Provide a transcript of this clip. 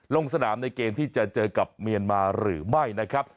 ลงสนามในเกมที่จะเจอกับเมียนมาหรือไม่นะครับ